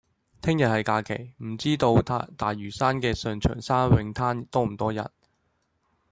聽日係假期，唔知道大嶼山嘅上長沙泳灘多唔多人？